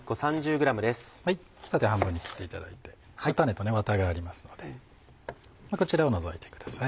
縦半分に切っていただいて種とワタがありますのでこちらを除いてください。